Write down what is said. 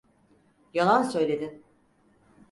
Yalan söyledin.